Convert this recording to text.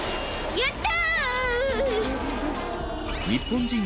やった！